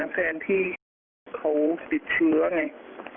แฟนที่เขาติดเชื้อไง